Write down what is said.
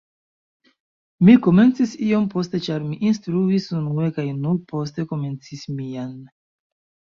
Mi komencis iom poste ĉar mi instruis unue kaj nur poste komencis mian